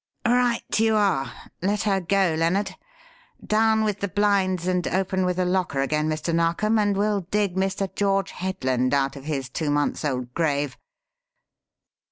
Right you are. Let her go, Lennard. Down with the blinds and open with the locker again, Mr. Narkom, and we'll 'dig' Mr. George Headland out of his two months' old grave."